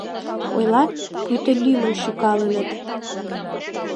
Ойлат, пуйто лӱмын шӱкалыныт.